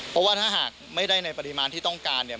เพราะว่าถ้าหากไม่ได้ในปริมาณที่ต้องการเนี่ย